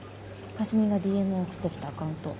かすみがＤＭを送ってきたアカウント。